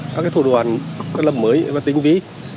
các thủ đoàn lập mới và tính ví